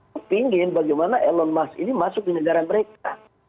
saya ingin bagaimana elon musk ini masuk ke negara mereka